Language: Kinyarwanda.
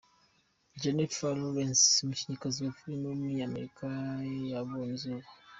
Jennifer Lawrence, umukinnyikazi wa film w’umunyamerika yabonye izuba.